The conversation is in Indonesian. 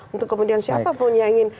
untuk kemudian siapapun yang ingin